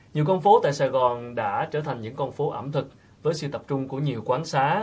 nhiều con phố tại sài gòn đã trở thành những con phố ẩm thực với sự tập trung của nhiều quán xá